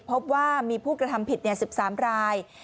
พบว่ามีผู้กระทำผิด๑๓ราย